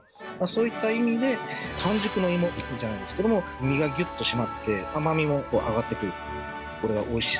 そういった意味で完熟のいもじゃないですけども身がギュッと締まって甘みも上がってくる。